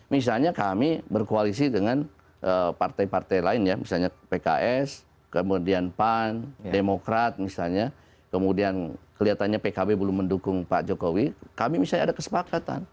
misalnya kami berkoalisi dengan partai partai lain ya misalnya pks kemudian pan demokrat misalnya kemudian kelihatannya pkb belum mendukung pak jokowi kami misalnya ada kesepakatan